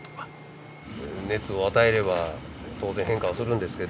熱を与えれば当然変化はするんですけど。